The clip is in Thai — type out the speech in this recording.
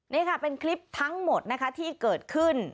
นี่ค่ะเป็นคลิปทั้งหมดนะคะที่เกิดขึ้น